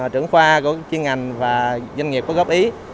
trưởng khoa của chuyên ngành và doanh nghiệp có góp ý